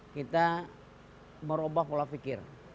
kita merubah pola pikir